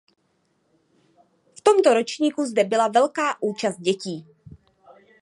V tomto ročníku zde byla velká účast dětí.